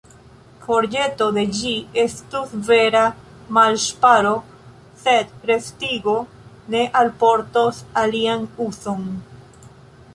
Forĵeto de ĝi estus vera malŝparo, sed restigo ne alportos alian uzon.